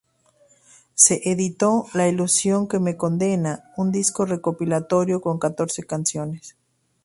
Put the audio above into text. Se editó ""La ilusión que me condena"", un disco recopilatorio con catorce canciones.